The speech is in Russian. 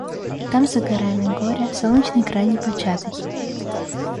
Там за горами горя солнечный край непочатый.